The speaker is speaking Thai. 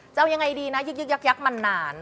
จะเอายังไงดีนะยึกยักมานาน